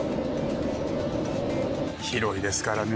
広いですからね。